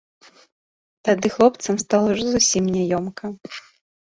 Тады хлопцам стала ўжо зусім няёмка.